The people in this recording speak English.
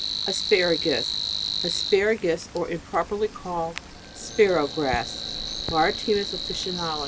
Asparagus •.. Asparagus, or fimproperly called Sparrow ^aratimus officinalis.